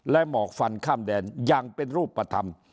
และหมอกฟันข้ามแดนอย่างเป็นรูปธรรม